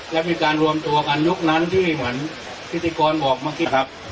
แล้วมีการรวมตัวกันยุคนั้นที่เหมือนพิธีกรบอกเมื่อกี้ครับ